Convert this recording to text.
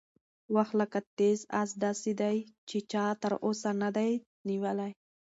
وخت لکه تېز اس داسې دی چې چا تر اوسه نه دی نیولی.